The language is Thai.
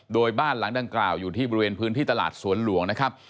โดยบ้านหลังดังกล่าวอยู่ที่บริเวณพื้นที่ตลาดสวนหลวงนะครับ